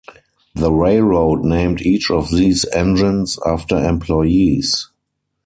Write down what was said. The railroad named each of these engines after employees.